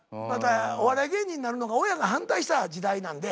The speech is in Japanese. お笑い芸人になるのが親が反対した時代なんで。